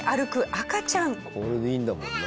これでいいんだもんな。